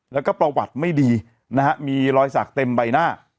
แล้วก็ประวัติไม่ดีนะฮะมีรอยสักเต็มใบหน้า